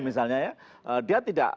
misalnya ya dia tidak